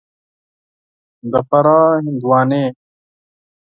د فراه هندوانې